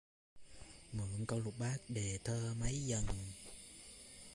Mượn câu lục bát đề thơ mấy vần